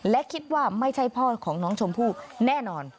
และคิดว่าไม่ใช่พ่อของน้องชมพู่แน่นอน